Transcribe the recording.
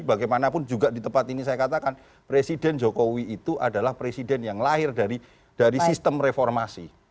bagaimanapun juga di tempat ini saya katakan presiden jokowi itu adalah presiden yang lahir dari sistem reformasi